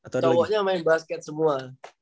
cowoknya main basket semua